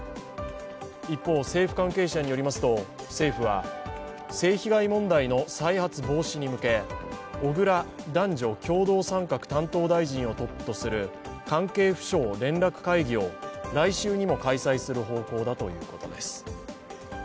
一方、政府関係者によりますと、政府は性被害問題の再発防止に向け、小倉男女共同参画担当大臣をトップとする関係府省連絡会議を来週にも開催する方向だということです。